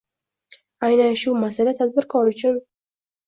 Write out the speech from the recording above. Aynan shu masala tadbirkor uchun